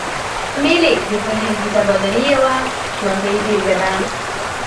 مېلې د فرهنګي تبادلې یوه ژوندۍ بېلګه ده.